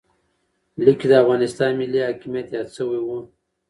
لیک کې د افغانستان ملي حاکمیت یاد شوی و.